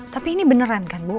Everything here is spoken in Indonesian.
tapi ini beneran kan bu